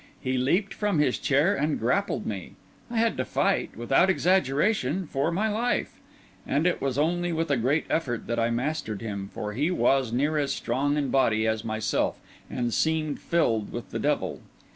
He leaped from his chair and grappled me; I had to fight, without exaggeration, for my life; and it was only with a great effort that I mastered him, for he was near as strong in body as myself, and seemed filled with the devil.